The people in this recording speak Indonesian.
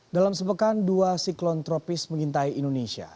dalam sepekan dua siklon tropis mengintai indonesia